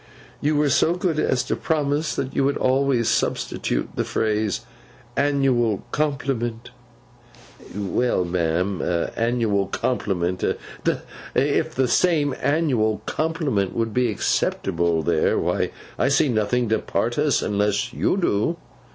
You were so good as to promise that you would always substitute the phrase, annual compliment.' 'Well, ma'am, annual compliment. If the same annual compliment would be acceptable there, why, I see nothing to part us, unless you do.